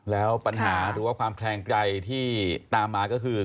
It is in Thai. แล้วปัญหาหรือว่าความแคลงใจที่ตามมาก็คือ